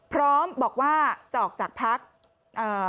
พร้อมบอกว่าจะออกจากพักเอ่อ